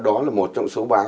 đó là một trong số báo